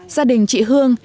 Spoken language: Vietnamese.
gia đình chị hương